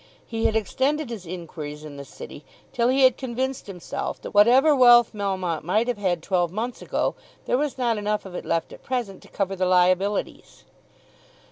He had extended his enquiries in the city till he had convinced himself that, whatever wealth Melmotte might have had twelve months ago, there was not enough of it left at present to cover the liabilities.